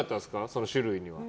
その種類には。